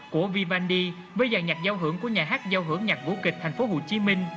của vivandi với dạng nhạc giao hưởng của nhà hát giao hưởng nhạc vũ kịch tp hcm